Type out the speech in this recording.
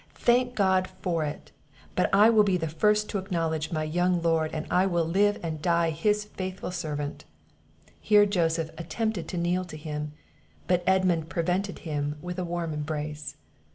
Thank God for it! But I will be the first to acknowledge my young lord, and I will live and die his faithful servant!" Here Joseph attempted to kneel to him, but Edmund prevented him with a warm embrace.